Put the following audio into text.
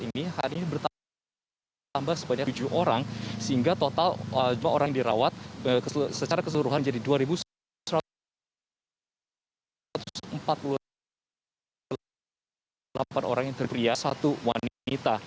ini hari ini bertambah sebanyak tujuh orang sehingga total jumlah orang dirawat secara keseluruhan jadi dua satu ratus empat puluh delapan orang yang terperia satu wanita